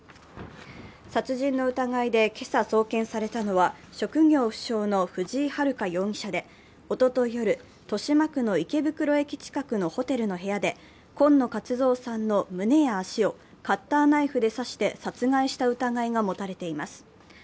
殺人の疑いで今朝送検されたのは職業不詳の藤井遥容疑者で、おととい夜、豊島区の池袋駅近くのホテルの部屋で今野勝蔵さんの胸や足をカッターナイフで刺して殺害した疑いが持たれています。